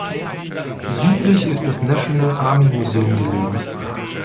Südlich ist das National Army Museum gelegen.